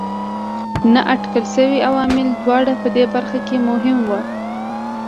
نااټکل شوي عوامل دواړه په دې برخه کې مهم وو.